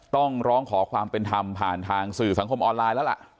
ต้องร้องขอความเป็นธรรมผ่านทางสื่อสังคมออนไลน์แล้วล่ะ